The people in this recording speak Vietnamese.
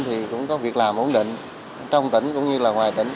thì cũng có việc làm ổn định trong tỉnh cũng như là ngoài tỉnh